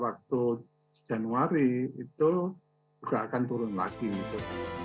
waktu januari itu juga akan turun lagi gitu